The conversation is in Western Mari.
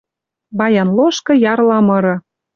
Баян лошкы ярла мыры.